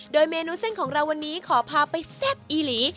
โดยเมนูเส้นของเราวันนี้ขอพาไปแซ่บอีหลี